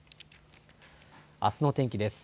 あすの天気です。